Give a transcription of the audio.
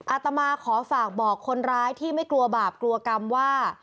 อาตมาขอฝากบอกคนร้ายที่ไม่กลัวบาปกลัวกรรมว่า